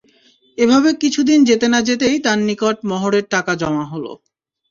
এভাবে কিছুদিন যেতে না যেতেই তাঁর নিকট মহরের টাকা জমা হল।